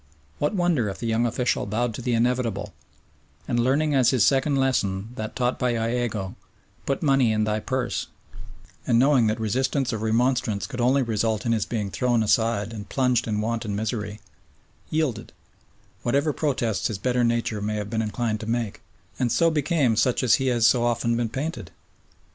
What wonder if the young official bowed to the inevitable, and learning as his second lesson that taught by Iago, "Put money in thy purse," and knowing that resistance or remonstrance could only result in his being thrown aside and plunged in want and misery, yielded, whatever protests his better nature may have been inclined to make, and so became such as he has so often been painted?